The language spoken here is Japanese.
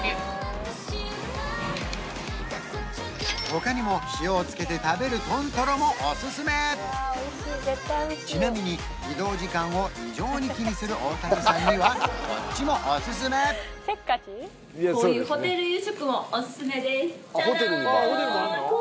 他にも塩をつけて食べる豚トロもおすすめちなみに移動時間を異常に気にする大竹さんにはこっちもおすすめジャジャーン！